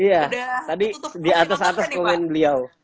iya tadi di atas atas komen beliau